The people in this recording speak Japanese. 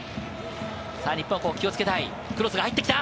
さぁ日本、ここは気をつけたいクロスが入ってきた。